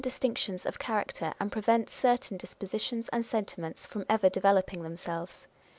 331 distinctions of character, and prevent certain dispositions and sentiments from ever developing themselves.